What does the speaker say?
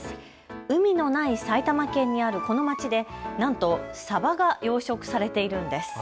海のない埼玉県にあるこの町でなんとサバが養殖されているんです。